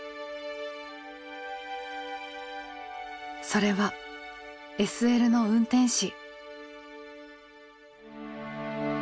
それはＳＬの運転士。